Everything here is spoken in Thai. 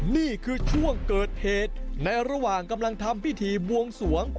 นี่คือช่วงเกิดเหตุในระหว่างกำลังทำพิธีบวงสวง